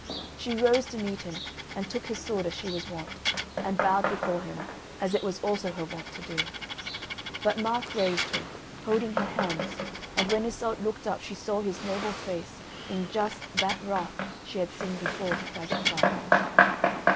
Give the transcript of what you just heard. She rose to meet him and took his sword as she was wont, and bowed before him, as it was also her wont to do; but Mark raised her, holding her hands; and when Iseult looked up she saw his noble face in just that wrath she had seen before the faggot fire.